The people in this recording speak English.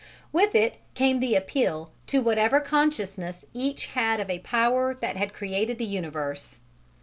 With it came the appeal to whatever consciousness each had of a Power that had created the universe.